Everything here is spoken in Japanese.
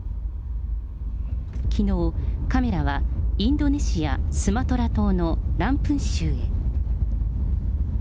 きのう、カメラはインドネシア・スマトラ島のランプン州へ。